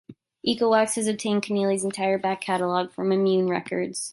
Exowax has obtained Keneally's entire back catalog from Immune Records.